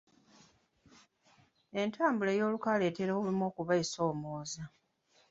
Entambula ey'olukale etera olumu okuba esoomooza.